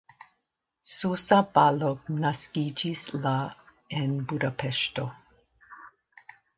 Zsuzsa Balogh naskiĝis la en Budapeŝto.